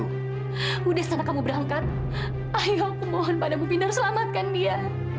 sudah setelah kamu berangkat ayo aku mohon padamu pindar selamatkan dia